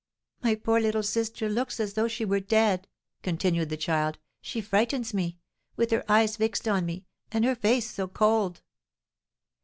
"My poor little sister looks as though she were dead!" continued the child; "she frightens me, with her eyes fixed on me, and her face so cold!"